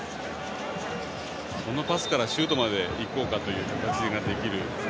そのパスからシュートまでいこうかという形ができる。